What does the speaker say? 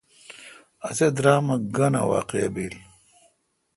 اسے°درامہ گھن اہ واقعہ بیل۔